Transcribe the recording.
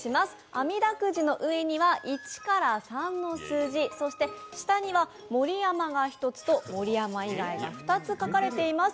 あみだくじの上には１から３の数字、そして下には盛山が１つと盛山以外が２つ書かれています。